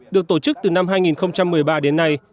được tổ chức từ năm hai nghìn một mươi ba đến nay